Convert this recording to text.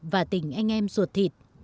về tình hình anh em ruột thịt